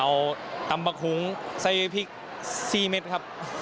เอาตำบักคุ้งใส่พริก๔เม็ดครับ